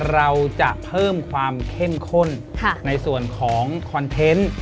เราจะเพิ่มความเข้มข้นในส่วนของคอนเทนต์